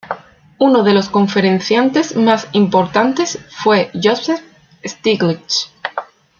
Uno de los conferenciantes más importantes fue Joseph Stiglitz.